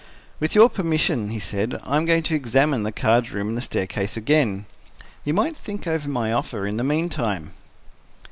"With your permission," he said, "I am going to examine the card room and the staircase again. You might think over my offer in the meantime."